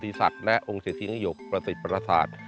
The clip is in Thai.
บทฤษัตริย์และองค์เศรษฐิยะหยกประสิทธิ์ปราสาท